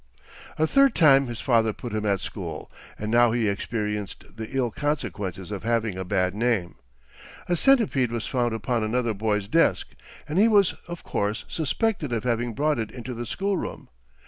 A third time his father put him at school; and now he experienced the ill consequences of having a bad name. A centipede was found upon another boy's desk, and he was of course suspected of having brought it into the school room.